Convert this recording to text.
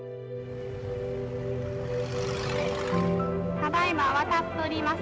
ただいま渡っております